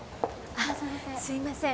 あっすいません。